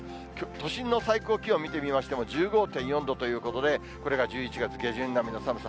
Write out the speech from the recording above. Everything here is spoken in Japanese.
都心の最高気温見てみましても、１５．４度ということで、これが１１月下旬並みの寒さ。